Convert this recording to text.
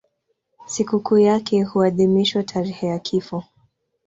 Sikukuu yake huadhimishwa tarehe ya kifo.